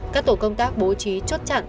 các tổ công tác bố trí chốt chặn